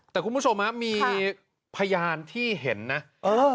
แต่คุณผู้ชมฮะมีพยานที่เห็นนะเออ